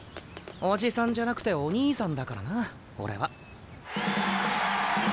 おじさんじゃなくておにいさんだからな俺は。